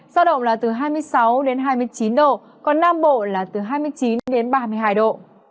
giao động là từ hai mươi sáu đến hai mươi chín độ còn nam bộ là từ hai mươi chín đến ba mươi hai độ